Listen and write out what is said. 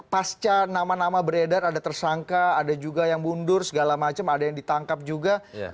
pasca nama nama beredar ada tersangka ada juga yang mundur segala macam ada yang ditangkap juga